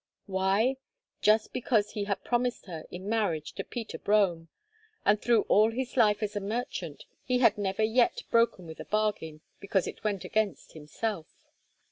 Why? Just because he had promised her in marriage to Peter Brome, and through all his life as a merchant he had never yet broken with a bargain because it went against himself.